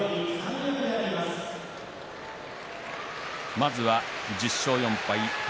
まずは１０勝４敗北